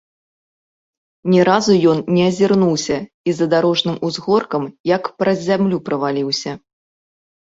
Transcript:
Ні разу ён не азірнуўся і за дарожным узгоркам як праз зямлю праваліўся.